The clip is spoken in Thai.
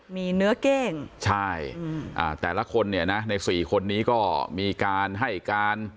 มีเนื้อเก้งใช่แต่ละคนเนี่ยนะใน๔คนนี้ก็มีการให้การ